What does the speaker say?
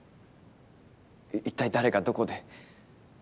一体誰がどこで？